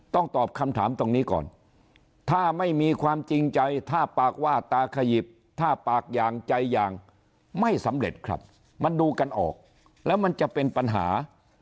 ตอบคำถามตรงนี้ก่อนถ้าไม่มีความจริงใจถ้าปากว่าตาขยิบถ้าปากอย่างใจอย่างไม่สำเร็จครับมันดูกันออกแล้วมันจะเป็นปัญหา